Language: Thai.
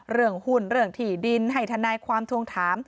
เรื่องหุ้นเรื่องที่ดินให้ทนายความทวงถาม